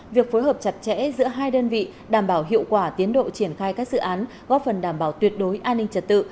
việc phối hợp chặt chẽ giữa hai đơn vị đảm bảo hiệu quả tiến độ triển khai các dự án góp phần đảm bảo tuyệt đối an ninh trật tự